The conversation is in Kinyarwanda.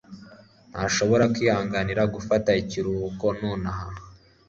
ntashobora kwihanganira gufata ikiruhuko nonaha